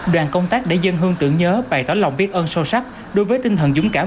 đoàn công tác đã dân hương tưởng nhớ bày tỏ lòng biết ơn sâu sắc đối với tinh thần dũng cảm